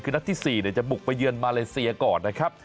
คือนัดที่๔จะบุกไปเยือนมาเลเซียก่อนนะครับ